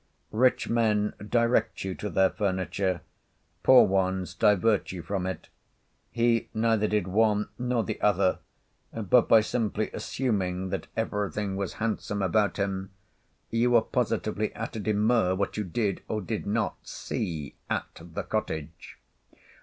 Rich men direct you to their furniture, poor ones divert you from it; he neither did one nor the other, but by simply assuming that everything was handsome about him, you were positively at a demur what you did, or did not see, at the cottage.